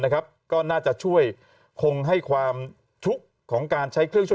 ก็น่าจะช่วยคงให้ความทุกข์ของการใช้เครื่องช่วย